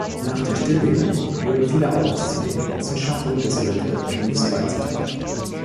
Nach der Stilllegung wurden viele Autos zerlegt, um zur Schaffung des Redbird Reefs beizutragen.